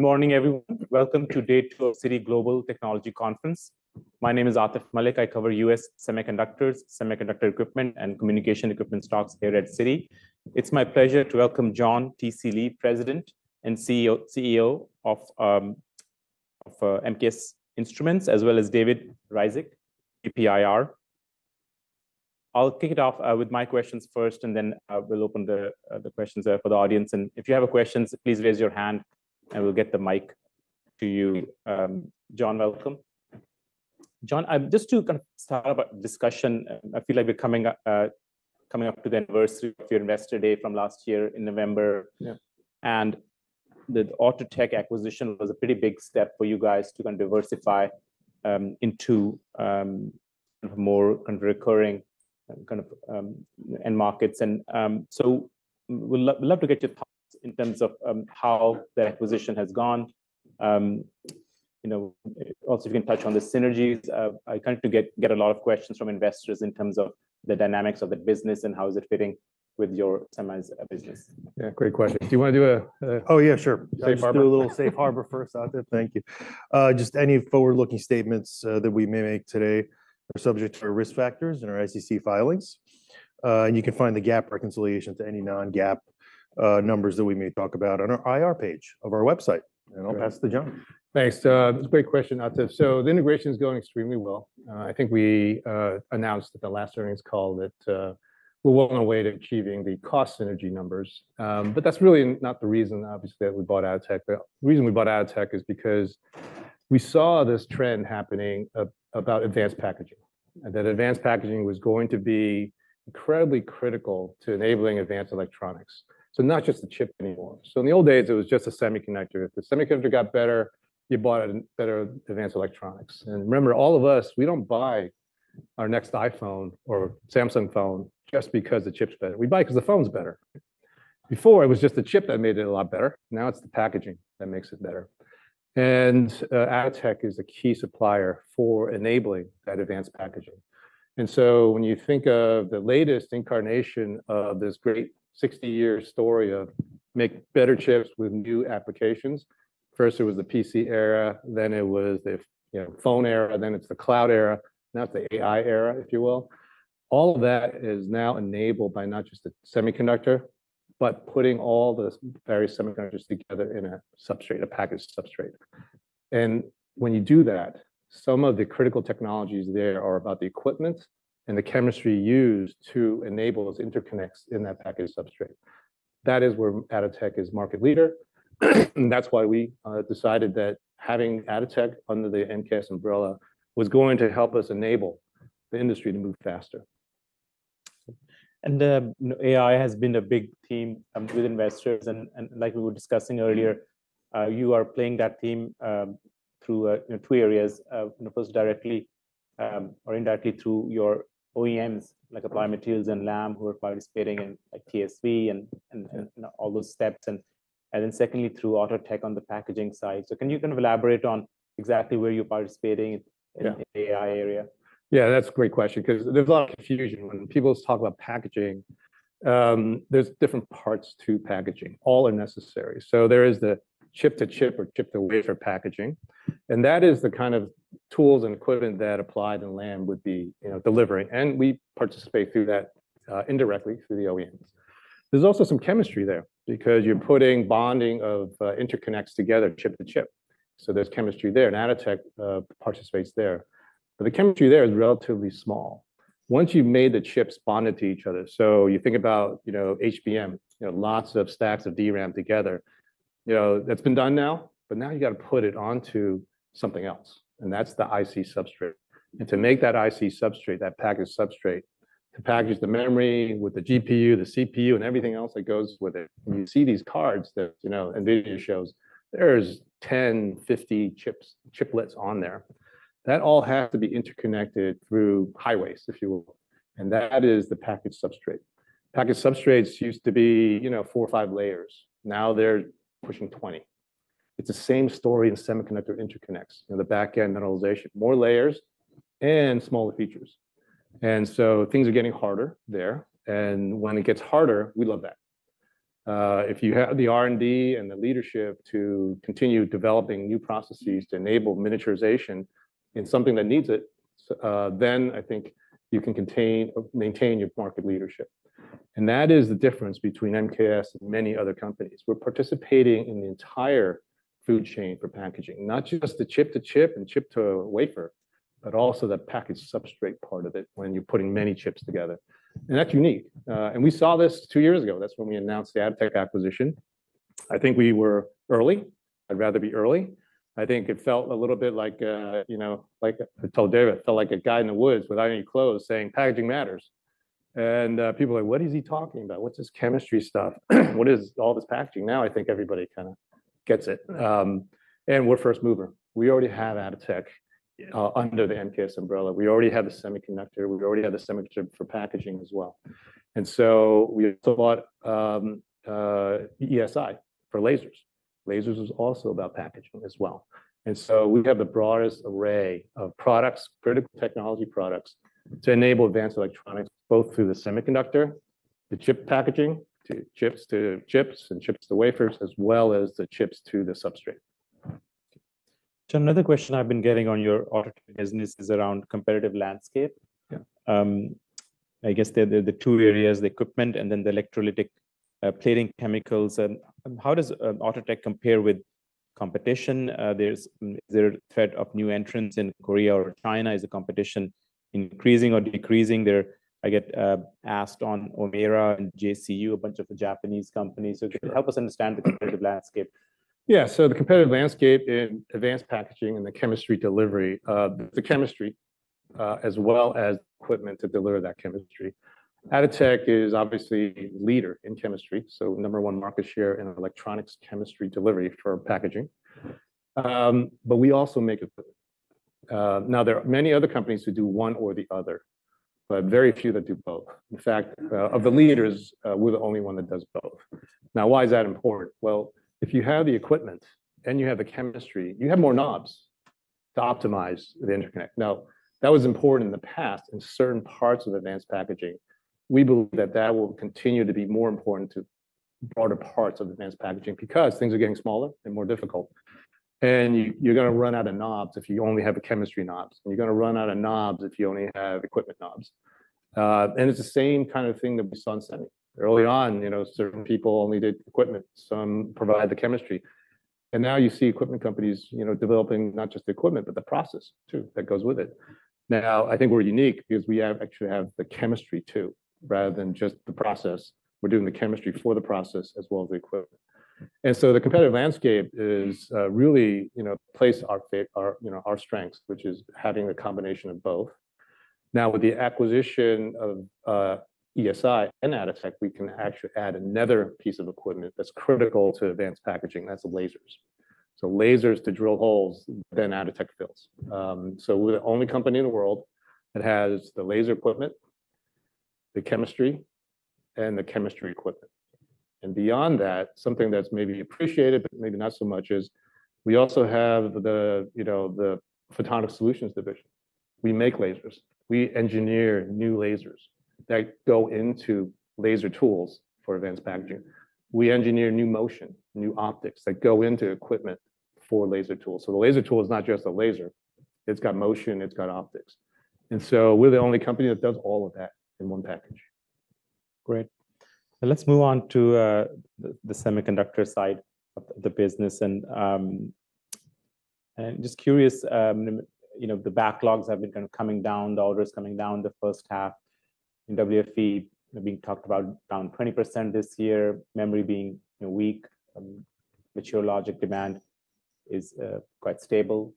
Good morning, everyone. Welcome to Day Two of Citi Global Technology Conference. My name is Atif Malik. I cover U.S. semiconductors, semiconductor equipment, and communication equipment stocks here at Citi. It's my pleasure to welcome John T.C. Lee, President and CEO of MKS Instruments, as well as David Ryzhik, VP, IR. I'll kick it off with my questions first, and then we'll open the questions for the audience. And if you have a question, please raise your hand and we'll get the mic to you. John, welcome. John, just to kind of start about discussion, I feel like we're coming up, coming up to the anniversary of your Investor Day from last year in November. Yeah. The Atotech acquisition was a pretty big step for you guys to kind of diversify into more kind of recurring kind of end markets. So we'd love, love to get your thoughts in terms of how the acquisition has gone. You know, also, if you can touch on the synergies, I kind of get, get a lot of questions from investors in terms of the dynamics of the business and how is it fitting with your semis business. Yeah, great question. Do you wanna do a Oh, yeah, sure. Safe harbor. Do a little safe harbor first, Atif, thank you. Just any forward-looking statements that we may make today are subject to risk factors in our SEC filings. You can find the GAAP reconciliation to any non-GAAP numbers that we may talk about on our IR page of our website. Okay. I'll pass to John. Thanks. That's a great question, Atif. So the integration is going extremely well. I think we announced at the last earnings call that we're well on our way to achieving the cost synergy numbers. But that's really not the reason, obviously, that we bought Atotech. The reason we bought Atotech is because we saw this trend happening about advanced packaging, and that advanced packaging was going to be incredibly critical to enabling advanced electronics. So not just the chip anymore. So in the old days, it was just a semiconductor. If the semiconductor got better, you bought a better advanced electronics. And remember, all of us, we don't buy our next iPhone or Samsung phone just because the chip's better. We buy it 'cause the phone's better. Before, it was just the chip that made it a lot better. Now it's the packaging that makes it better. And Atotech is a key supplier for enabling that advanced packaging. And so when you think of the latest incarnation of this great 60-year story of make better chips with new applications, first it was the PC era, then it was the, you know, phone era, then it's the cloud era, now it's the AI era, if you will. All of that is now enabled by not just the semiconductor, but putting all the various semiconductors together in a substrate, a packaged substrate. And when you do that, some of the critical technologies there are about the equipment and the chemistry used to enable those interconnects in that package substrate. That is where Atotech is market leader, and that's why we decided that having Atotech under the MKS umbrella was going to help us enable the industry to move faster. And, you know, AI has been a big theme with investors. And like we were discussing earlier, you are playing that theme through two areas, first, directly or indirectly through your OEMs, like Applied Materials and Lam, who are participating in, like, TSV and all those steps, and then secondly, through Atotech on the packaging side. So can you kind of elaborate on exactly where you're participating? Yeah... in the AI area? Yeah, that's a great question 'cause there's a lot of confusion when people talk about packaging. There's different parts to packaging. All are necessary. So there is the chip-to-chip or chip-to-wafer packaging, and that is the kind of tools and equipment that Applied and Lam would be, you know, delivering, and we participate through that indirectly through the OEMs. There's also some chemistry there because you're putting bonding of interconnects together, chip to chip, so there's chemistry there, and Atotech participates there. But the chemistry there is relatively small. Once you've made the chips bonded to each other, so you think about, you know, HBM, you know, lots of stacks of DRAM together, you know, that's been done now, but now you got to put it onto something else, and that's the IC substrate. And to make that IC substrate, that package substrate, to package the memory with the GPU, the CPU, and everything else that goes with it, when you see these cards that, you know, NVIDIA shows, there's 10, 50 chips, chiplets on there. That all have to be interconnected through highways, if you will, and that is the package substrate. Package substrates used to be, you know, four or five layers. Now, they're pushing 20. It's the same story in semiconductor interconnects, in the back-end metallization, more layers and smaller features. And so things are getting harder there, and when it gets harder, we love that. If you have the R&D and the leadership to continue developing new processes to enable miniaturization in something that needs it, then I think you can maintain your market leadership. And that is the difference between MKS and many other companies. We're participating in the entire food chain for packaging, not just the chip-to-chip and chip-to-wafer, but also the package substrate part of it when you're putting many chips together. And that's unique. And we saw this two years ago. That's when we announced the Atotech acquisition. I think we were early. I'd rather be early. I think it felt a little bit like, you know, like I told David, it felt like a guy in the woods without any clothes, saying, "Packaging matters." And people are like: "What is he talking about? What's this chemistry stuff? What is all this packaging?" Now, I think everybody kind of gets it. And we're first mover. We already have Atotech- Yeah... under the MKS umbrella. We already have the semiconductor. We already have the semi-chip for packaging as well. And so we also bought ESI for lasers. Lasers is also about packaging as well. And so we have the broadest array of products, critical technology products, to enable advanced electronics, both through the semiconductor-... the chip packaging to chips, to chips and chips to wafers, as well as the chips to the substrate. Another question I've been getting on your Atotech business is around competitive landscape. Yeah. I guess the two areas, the equipment, and then the electrolytic plating chemicals. How does Atotech compare with competition? Is there a threat of new entrants in Korea or China? Is the competition increasing or decreasing there? I get asked on Uyemura and JCU, a bunch of Japanese companies. Sure. So help us understand the competitive landscape? Yeah, so the competitive landscape in advanced packaging and the chemistry delivery, the chemistry, as well as equipment to deliver that chemistry. Atotech is obviously leader in chemistry, so No. 1 market share in electronics chemistry delivery for packaging. But we also make equipment. Now, there are many other companies who do one or the other, but very few that do both. In fact, of the leaders, we're the only one that does both. Now, why is that important? Well, if you have the equipment and you have the chemistry, you have more knobs to optimize the interconnect. Now, that was important in the past in certain parts of advanced packaging. We believe that that will continue to be more important to broader parts of advanced packaging because things are getting smaller and more difficult, and you, you're gonna run out of knobs if you only have the chemistry knobs, and you're gonna run out of knobs if you only have equipment knobs. And it's the same kind of thing that we saw in semi. Early on, you know, certain people only did equipment, some provided the chemistry, and now you see equipment companies, you know, developing not just the equipment, but the process, too, that goes with it. Now, I think we're unique because we actually have the chemistry too, rather than just the process. We're doing the chemistry for the process as well as the equipment. And so the competitive landscape is really, you know, place our our, you know, our strengths, which is having the combination of both. Now, with the acquisition of ESI and Atotech, we can actually add another piece of equipment that's critical to advanced packaging, that's the lasers. So lasers to drill holes, then Atotech builds. So we're the only company in the world that has the laser equipment, the chemistry, and the chemistry equipment. And beyond that, something that's maybe appreciated, but maybe not so much, is we also have the, you know, the Photonics Solutions division. We make lasers. We engineer new lasers that go into laser tools for advanced packaging. We engineer new motion, new optics that go into equipment for laser tools. So the laser tool is not just a laser, it's got motion, it's got optics. We're the only company that does all of that in one package. Great. Let's move on to the semiconductor side of the business. And just curious, you know, the backlogs have been kind of coming down, the orders coming down the first half in WFE, being talked about down 20% this year, memory being, you know, weak. Mature logic demand is quite stable.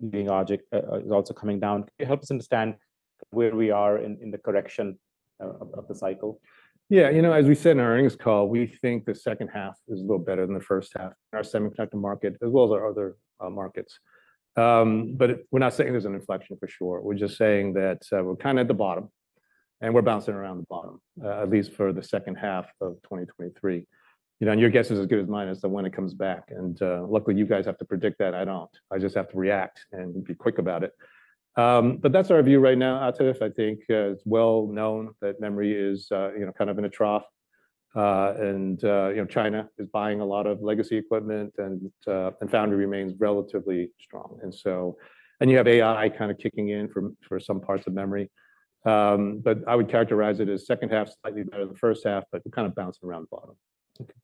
Leading logic is also coming down. Can you help us understand where we are in the correction of the cycle? Yeah, you know, as we said in our earnings call, we think the second half is a little better than the first half in our semiconductor market, as well as our other markets. But we're not saying there's an inflection for sure. We're just saying that we're kind of at the bottom, and we're bouncing around the bottom, at least for the second half of 2023. You know, and your guess is as good as mine as to when it comes back, and luckily, you guys have to predict that. I don't. I just have to react and be quick about it. But that's our view right now, Atif. I think it's well known that memory is, you know, kind of in a trough. You know, China is buying a lot of legacy equipment, and foundry remains relatively strong. And so you have AI kind of kicking in for some parts of memory. But I would characterize it as second half, slightly better than the first half, but kind of bouncing around the bottom. Okay.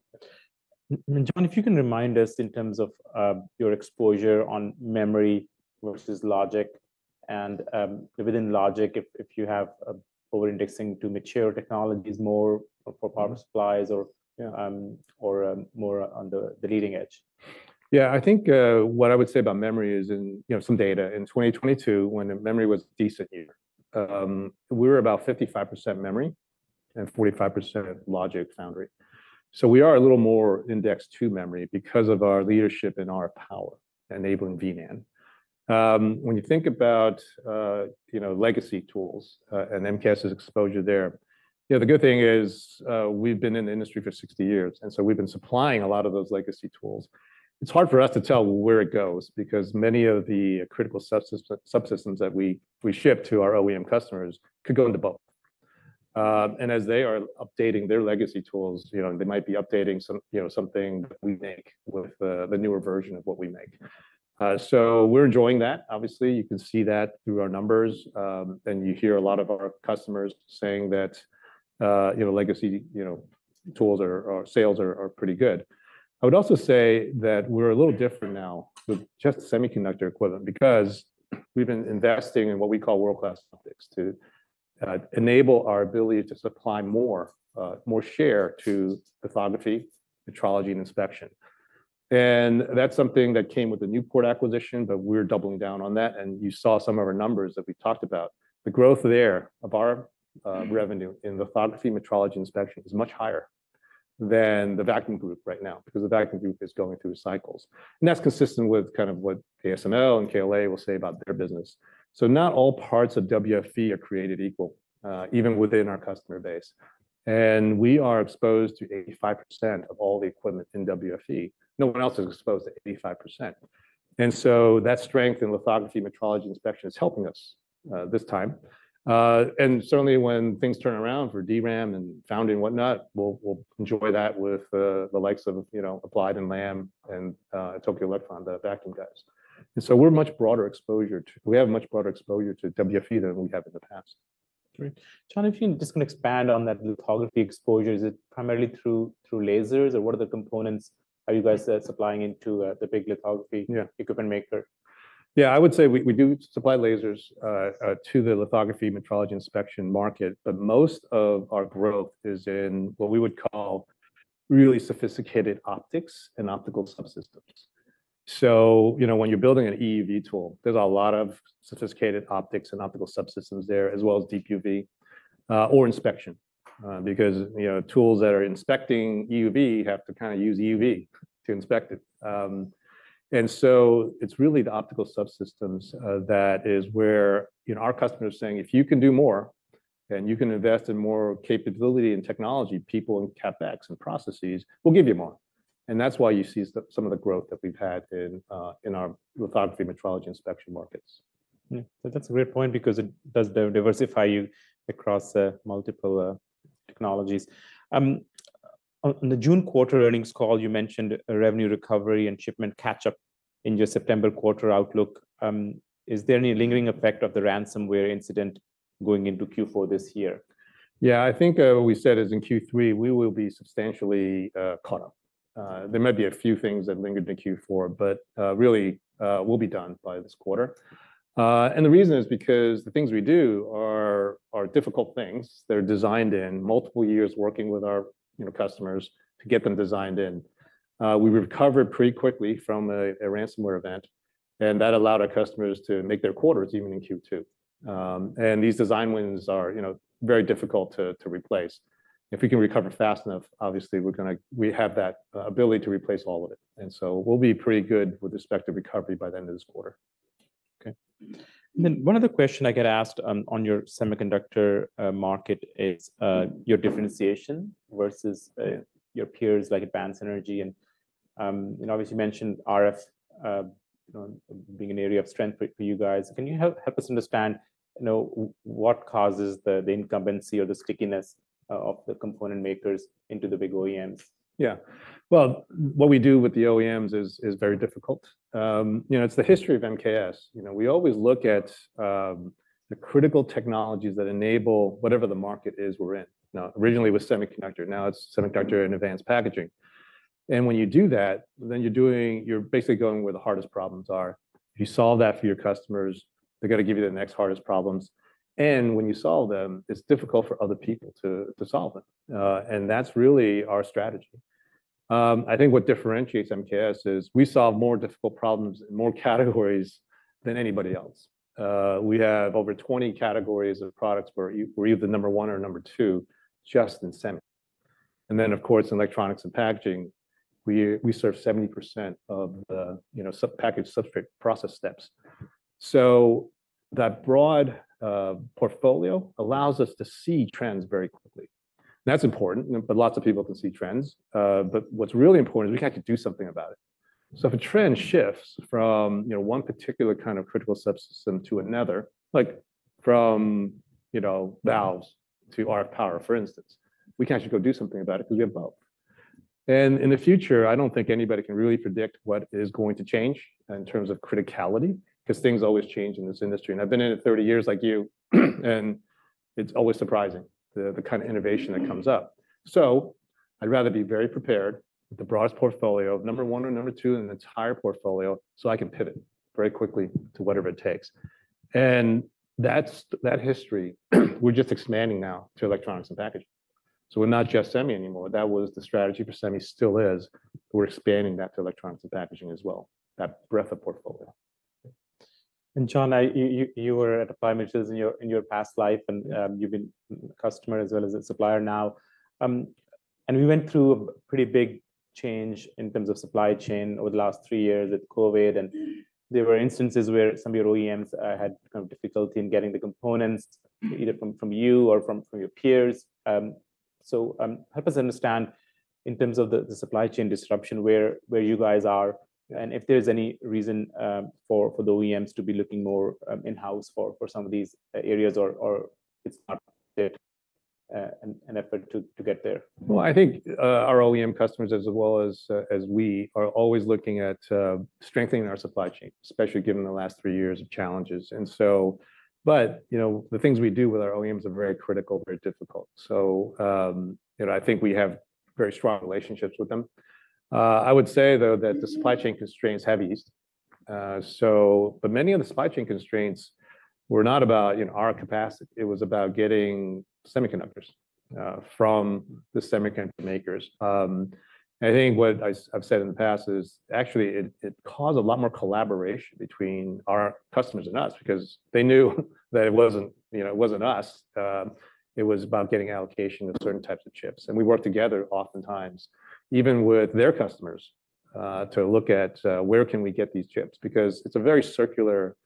And John, if you can remind us in terms of your exposure on memory vs logic and, within logic, if you have overindexing to mature technologies more for power supplies or more on the leading edge? Yeah, I think what I would say about memory is in, you know, some data. In 2022, when the memory was a decent year, we were about 55% memory and 45% Logic/Foundry. So we are a little more indexed to memory because of our leadership and our power enabling V-NAND. When you think about, you know, legacy tools and MKS's exposure there, you know, the good thing is, we've been in the industry for 60 years, and so we've been supplying a lot of those legacy tools. It's hard for us to tell where it goes because many of the critical subsystems that we ship to our OEM customers could go into both. And as they are updating their legacy tools, you know, they might be updating some, you know, something that we make with the newer version of what we make. So we're enjoying that. Obviously, you can see that through our numbers, and you hear a lot of our customers saying that, you know, legacy tools sales are pretty good. I would also say that we're a little different now with just semiconductor equipment because we've been investing in what we call world-class optics to enable our ability to supply more share to lithography, metrology, and inspection. And that's something that came with the Newport acquisition, but we're doubling down on that, and you saw some of our numbers that we talked about. The growth there of our revenue in lithography, metrology, inspection is much higher than the vacuum group right now, because the vacuum group is going through cycles. And that's consistent with kind of what ASML and KLA will say about their business. So not all parts of WFE are created equal, even within our customer base, and we are exposed to 85% of all the equipment in WFE. No one else is exposed to 85%. And so that strength in lithography, metrology, inspection is helping us this time. And certainly, when things turn around for DRAM and foundry and whatnot, we'll, we'll enjoy that with the likes of, you know, Applied and Lam and Tokyo Electron, the vacuum guys. And so we have much broader exposure to WFE than we have in the past.... Great. John, if you can just expand on that lithography exposure. Is it primarily through lasers, or what are the components you guys supplying into the big lithography- Yeah. -equipment maker? Yeah, I would say we do supply lasers to the lithography metrology inspection market, but most of our growth is in what we would call really sophisticated optics and optical subsystems. So, you know, when you're building an EUV tool, there's a lot of sophisticated optics and optical subsystems there, as well as DUV or inspection. Because, you know, tools that are inspecting EUV have to kinda use EUV to inspect it. And so it's really the optical subsystems that is where, you know, our customers are saying, "If you can do more, and you can invest in more capability and technology, people, and CapEx, and processes, we'll give you more." And that's why you see some, some of the growth that we've had in our lithography metrology inspection markets. Mm-hmm. That's a great point because it does diversify you across multiple technologies. On the June quarter earnings call, you mentioned a revenue recovery and shipment catch-up in your September quarter outlook. Is there any lingering effect of the ransomware incident going into Q4 this year? Yeah, I think what we said is, in Q3, we will be substantially caught up. There might be a few things that linger into Q4, but really, we'll be done by this quarter. And the reason is because the things we do are difficult things. They're designed in multiple years working with our, you know, customers to get them designed in. We recovered pretty quickly from a ransomware event, and that allowed our customers to make their quarters even in Q2. And these design wins are, you know, very difficult to replace. If we can recover fast enough, obviously, we're gonna, we have that ability to replace all of it. And so we'll be pretty good with respect to recovery by the end of this quarter. Okay. And then one other question I get asked on your semiconductor market is your differentiation vs your peers, like Advanced Energy. And you know, obviously you mentioned RF you know, being an area of strength for you guys. Can you help us understand you know, what causes the incumbency or the stickiness of the component makers into the big OEMs? Yeah. Well, what we do with the OEMs is very difficult. You know, it's the history of MKS. You know, we always look at the critical technologies that enable whatever the market is we're in. Now, originally it was semiconductor. Now, it's semiconductor and advanced packaging. And when you do that, then you're doing, you're basically going where the hardest problems are. If you solve that for your customers, they're gonna give you the next hardest problems. And when you solve them, it's difficult for other people to solve it. And that's really our strategy. I think what differentiates MKS is we solve more difficult problems in more categories than anybody else. We have over 20 categories of products where we're either number one or number two, just in semi. And then, of course, in electronics and packaging, we serve 70% of the, you know, sub-package substrate process steps. So that broad portfolio allows us to see trends very quickly. That's important, but lots of people can see trends. But what's really important is we can actually do something about it. So if a trend shifts from, you know, one particular kind of critical subsystem to another, like from, you know, valves to RF power, for instance, we can actually go do something about it because we have both. And in the future, I don't think anybody can really predict what is going to change in terms of criticality, 'cause things always change in this industry. And I've been in it 30 years, like you, and it's always surprising, the kind of innovation that comes up. So I'd rather be very prepared with the broadest portfolio of number one or number two in the entire portfolio, so I can pivot very quickly to whatever it takes. And that's that history, we're just expanding now to electronics and packaging. So we're not just semi anymore. That was the strategy for semi, still is. We're expanding that to electronics and packaging as well, that breadth of portfolio. And John, you were at Applied Materials in your past life, and you've been a customer as well as a supplier now. And we went through a pretty big change in terms of supply chain over the last three years with COVID, and there were instances where some of your OEMs had kind of difficulty in getting the components, either from you or from your peers. So, help us understand, in terms of the supply chain disruption, where you guys are, and if there's any reason for the OEMs to be looking more in-house for some of these areas, or it's not an effort to get there. Well, I think our OEM customers, as well as as we, are always looking at strengthening our supply chain, especially given the last three years of challenges. But, you know, the things we do with our OEMs are very critical, very difficult. So, you know, I think we have very strong relationships with them. I would say, though, that the supply chain constraints have eased. But many of the supply chain constraints were not about, you know, our capacity. It was about getting semiconductors from the semiconductor makers. I think what I've said in the past is, actually, it caused a lot more collaboration between our customers and us because they knew that it wasn't, you know, it wasn't us. It was about getting allocation of certain types of chips. We worked together oftentimes, even with their customers, to look at where can we get these chips? Because it's a very circular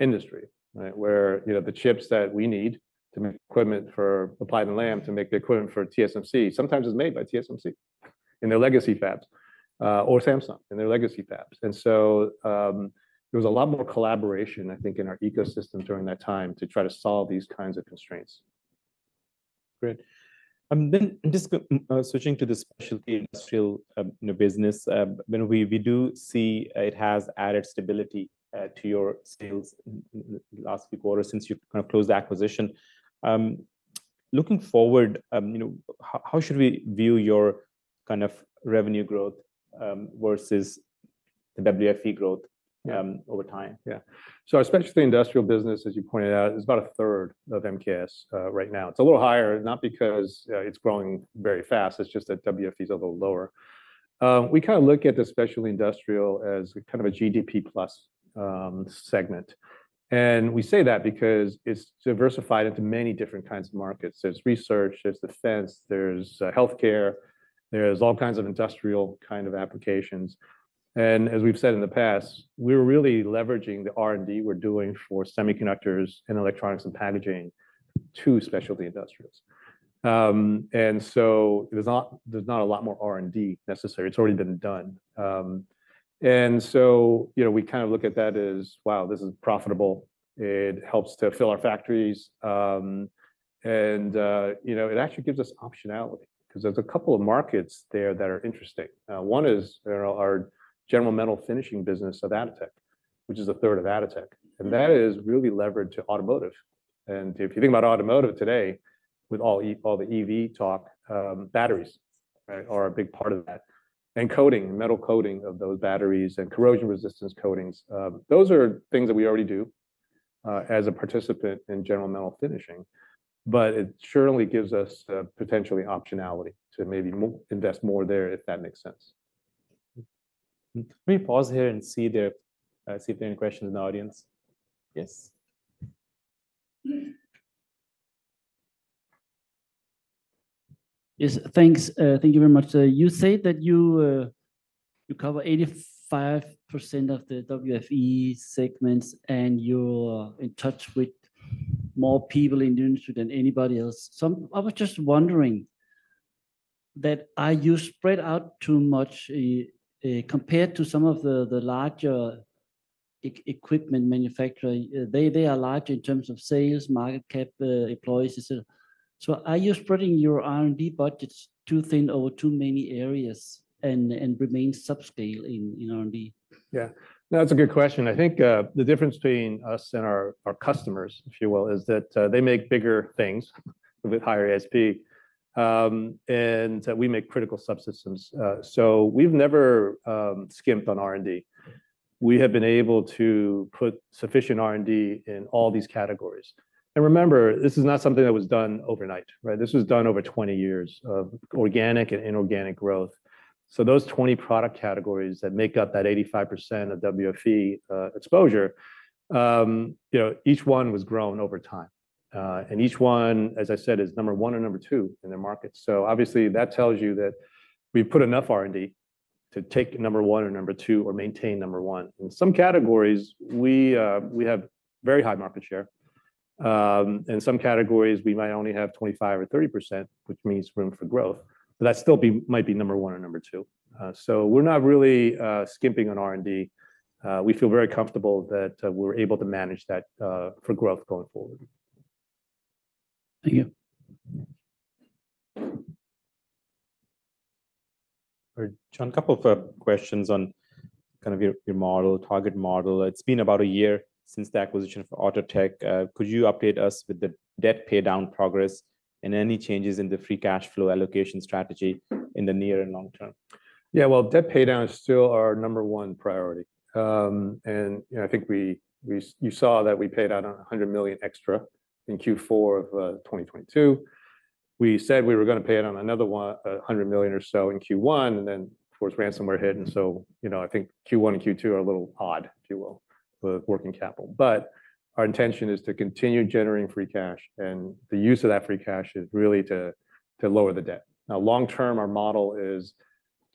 industry, right? Where, you know, the chips that we need to make equipment for Applied and Lam to make the equipment for TSMC, sometimes is made by TSMC and their legacy fabs, or Samsung and their legacy fabs. And so, there was a lot more collaboration, I think, in our ecosystem during that time to try to solve these kinds of constraints.... Great. Then just switching to the Specialty Industrial, you know, business, you know, we do see it has added stability to your sales in the last few quarters since you've kind of closed the acquisition. Looking forward, you know, how should we view your kind of revenue growth vs the WFE growth over time? Yeah. So our Specialty Industrial business, as you pointed out, is about a third of MKS, right now. It's a little higher, not because it's growing very fast, it's just that WFE's a little lower. We kind of look at the Specialty Industrial as kind of a GDP plus, segment. And we say that because it's diversified into many different kinds of markets. There's research, there's defense, there's healthcare, there's all kinds of industrial kind of applications. And as we've said in the past, we're really leveraging the R&D we're doing for semiconductors and electronics and packaging to Specialty Industrials. And so there's not, there's not a lot more R&D necessary. It's already been done. And so, you know, we kind of look at that as, wow, this is profitable. It helps to fill our factories, and, you know, it actually gives us optionality. 'Cause there's a couple of markets there that are interesting. One is our General Metal Finishing business of Atotech, which is a third of Atotech, and that is really levered to automotive. And if you think about automotive today, with all the EV talk, batteries, right, are a big part of that. And coating, metal coating of those batteries and corrosion resistance coatings, those are things that we already do, as a participant in General Metal Finishing, but it certainly gives us, potentially optionality to maybe invest more there, if that makes sense. Let me pause here and see if there are any questions in the audience. Yes? Yes, thanks, thank you very much. You said that you cover 85% of the WFE segments, and you're in touch with more people in the industry than anybody else. So I was just wondering that, are you spread out too much, compared to some of the larger equipment manufacturer? They are large in terms of sales, market cap, employees, et cetera. So are you spreading your R&D budgets too thin over too many areas and remain subscale in R&D? Yeah. No, that's a good question. I think, the difference between us and our customers, if you will, is that, they make bigger things, with higher ASP, and we make critical subsystems. So we've never skimped on R&D. We have been able to put sufficient R&D in all these categories. And remember, this is not something that was done overnight, right? This was done over 20 years of organic and inorganic growth. So those 20 product categories that make up that 85% of WFE exposure, you know, each one was grown over time. And each one, as I said, is number one or number two in their market. So obviously, that tells you that we've put enough R&D to take number one or number two, or maintain number one. In some categories, we have very high market share. In some categories, we might only have 25% or 30%, which means room for growth, but that still might be number one or number two. So we're not really skimping on R&D. We feel very comfortable that we're able to manage that for growth going forward. Thank you. John, a couple of questions on kind of your, your model, target model. It's been about a year since the acquisition of Atotech. Could you update us with the debt paydown progress and any changes in the free cash flow allocation strategy in the near and long term? Yeah, well, debt paydown is still our number one priority. And, you know, I think we-- you saw that we paid out $100 million extra in Q4 of 2022. We said we were gonna pay it on another one, $100 million or so in Q1, and then, of course, ransomware hit. And so, you know, I think Q1 and Q2 are a little odd, if you will, with working capital. But our intention is to continue generating free cash, and the use of that free cash is really to lower the debt. Now, long term, our model is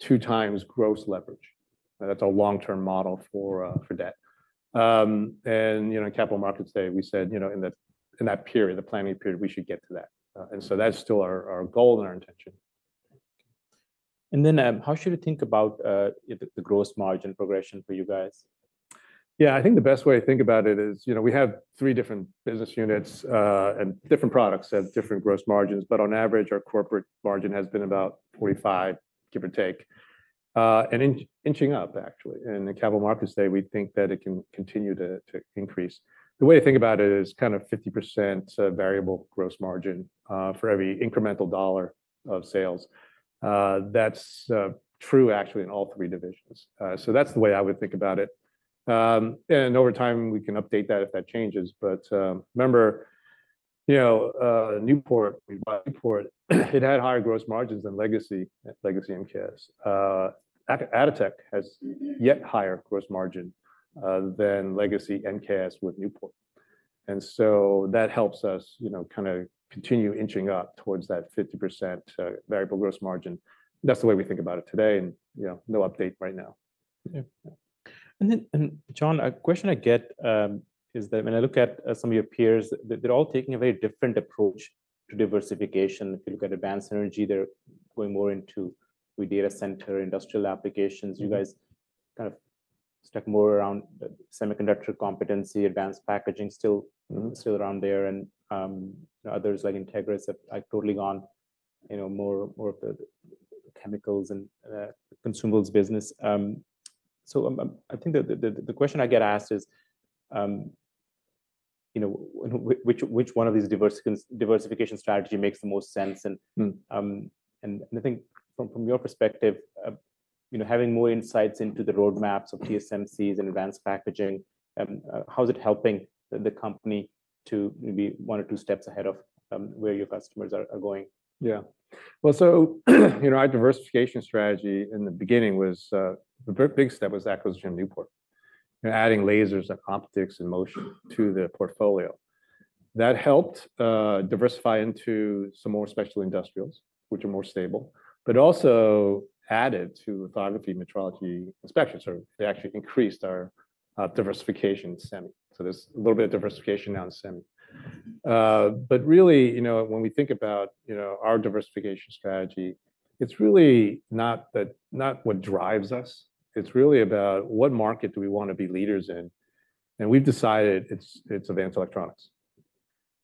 2x gross leverage, and that's a long-term model for debt. And, you know, in capital markets today, we said, you know, in that, in that period, the planning period, we should get to that. That's still our goal and our intention. And then, how should we think about the gross margin progression for you guys? Yeah, I think the best way to think about it is, you know, we have three different business units, and different products at different gross margins, but on average, our corporate margin has been about 45%, give or take, and inching up, actually. And in capital markets today, we think that it can continue to increase. The way to think about it is kind of 50% variable gross margin for every incremental dollar of sales. That's true, actually, in all three divisions. So that's the way I would think about it. And over time, we can update that if that changes. But remember, you know, Newport, we bought Newport, it had higher gross margins than legacy MKS. Atotech has yet higher gross margin than legacy MKS with Newport. And so that helps us, you know, kind of continue inching up towards that 50%, variable gross margin. That's the way we think about it today, and, you know, no update right now. Yeah. And then, John, a question I get is that when I look at some of your peers, they're all taking a very different approach to diversification. If you look at Advanced Energy, they're going more into the data center, industrial applications. You guys kind of stuck more around the semiconductor competency, advanced packaging, still, still around there. And, others like Entegris have, like, totally gone, you know, more, more of the chemicals and consumables business. So, I think that the question I get asked is, you know, which one of these diversification strategy makes the most sense? And- Hmm. I think from your perspective, you know, having more insights into the roadmaps of TSMCs and advanced packaging, how is it helping the company to be one or two steps ahead of where your customers are going? Yeah. Well, so, you know, our diversification strategy in the beginning was, the very big step was the acquisition of Newport. And adding lasers and optics and motion to the portfolio. That helped, diversify into some more Specialty Industrials, which are more stable, but also added to lithography, metrology, inspection. So they actually increased our, diversification in semi. But really, you know, when we think about, you know, our diversification strategy, it's really not that, not what drives us. It's really about what market do we want to be leaders in? And we've decided it's, it's advanced electronics.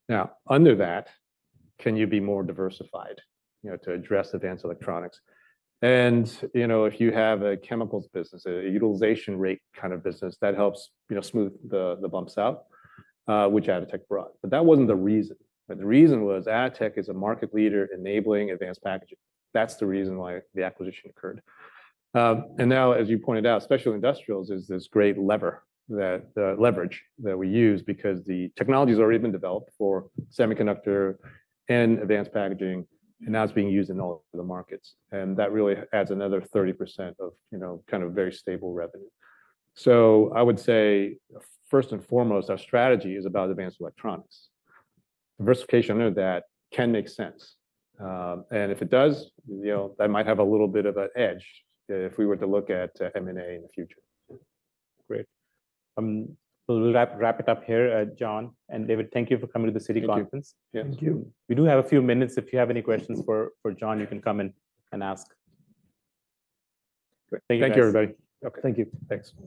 Now, under that, can you be more diversified, you know, to address advanced electronics? You know, if you have a chemicals business, a utilization rate kind of business, that helps, you know, smooth the bumps out, which Atotech brought. But that wasn't the reason. The reason was Atotech is a market leader enabling advanced packaging. That's the reason why the acquisition occurred. And now, as you pointed out, Specialty industrials is this great lever that leverage that we use because the technology has already been developed for semiconductor and advanced packaging, and now it's being used in all of the markets. And that really adds another 30% of, you know, kind of very stable revenue. So I would say, first and foremost, our strategy is about advanced electronics. Diversification under that can make sense. And, if it does, you know, that might have a little bit of an edge if we were to look at M&A in the future. Great. We'll wrap it up here, John and David, thank you for coming to the Citi conference. Thank you. Thank you. We do have a few minutes. If you have any questions for John, you can come in and ask. Great. Thank you, guys. Thank you, everybody. Okay. Thank you. Thanks.